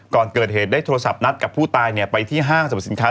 ก่อนเกิดเหตุได้โทรศัพท์นัดกับผู้ตายไปที่ห้างสรรพสินค้า